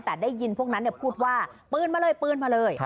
แต่ได้ยินพวกนั้นพูดว่าปืนมาเลยปืนมาเลย